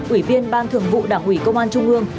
ủy viên ban thường vụ đảng ủy công an trung ương